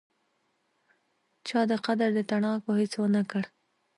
چا دې قدر د تڼاکو هیڅ ونکړ